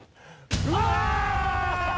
うわ！